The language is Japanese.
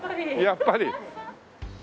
やっぱり。